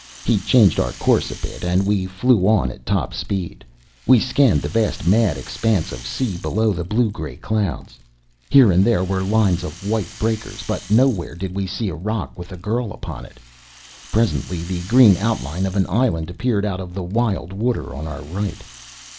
He changed our course a bit and we flew on at top speed. We scanned the vast, mad expanse of sea below the blue gray clouds. Here and there were lines of white breakers, but nowhere did we see a rock with a girl upon it. Presently the green outline of an island appeared out of the wild water on our right.